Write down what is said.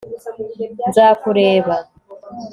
nzakureba